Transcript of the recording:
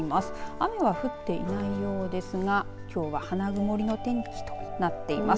雨は降っていないようですがきょうは花曇りの天気となっています。